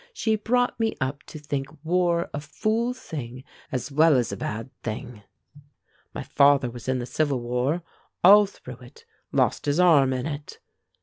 She brought me up to think war a fool thing as well as a bad thing. My father was in the civil war; all through it; lost his arm in it."